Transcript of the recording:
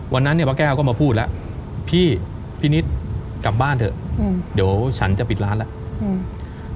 วันนั้นเนี่ยป้าแก้วก็มาพูดแล้วพี่พี่นิดกลับบ้านเถอะอืมเดี๋ยวฉันจะปิดร้านแล้วอืม